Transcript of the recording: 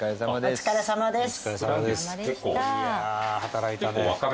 お疲れさまでした。